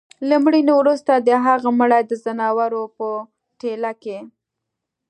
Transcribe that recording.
له مړيني وروسته د هغه مړى د ځناورو په ټېله کي